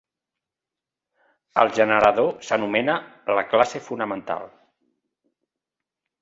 El generador s'anomena "la classe fonamental".